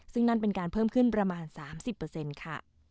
ซึ่งนั่นเป็นการเพิ่มขึ้นประมาณ๓๐ค่ะ